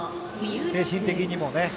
精神的にもね。